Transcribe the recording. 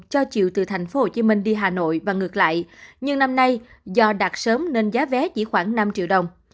cho chiều từ tp hcm đi hà nội và ngược lại nhưng năm nay do đạt sớm nên giá vé chỉ khoảng năm triệu đồng